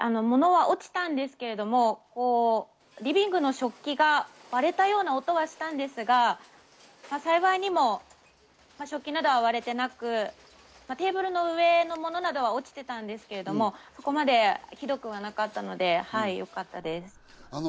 物は落ちたんですけど、リビングの食器が割れたような音がしたんですが、幸いにも食器などは割れていなく、テーブルの上のものなどは落ちていたんですけど、そこまでひどくはなかったのでよかったです。